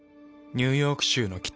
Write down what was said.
ニューヨーク州の北。